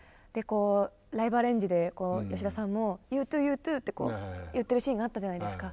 ライブアレンジで吉田さんも「Ｙｏｕｔｏｏ．Ｙｏｕｔｏｏ」って言ってるシーンがあったじゃないですか。